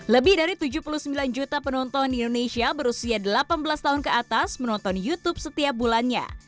lebih dari tujuh puluh sembilan juta penonton di indonesia berusia delapan belas tahun ke atas menonton youtube setiap bulannya